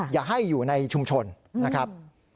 อย่าให้อยู่ในชุมชนนะครับ